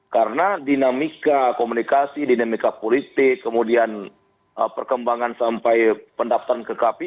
karena dinamika komunikasi dinamika politik kemudian perkembangan sampai pendaftaran ke kpi